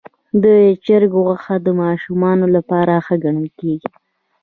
د چرګ غوښه د ماشومانو لپاره ښه ګڼل کېږي.